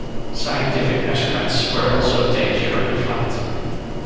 Scientific measurements were also obtained during the flight.